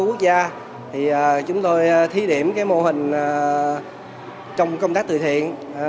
quốc gia thì chúng tôi thí điểm cái mô hình trong công tác từ thiện